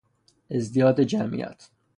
ازدیاد جمعیت